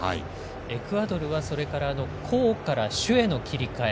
エクアドルはそれから攻から守への切り替え。